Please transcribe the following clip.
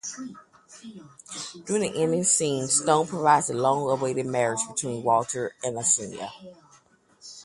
During the ending scene, Stone provides the long-awaited marriage between Walter and Oceana.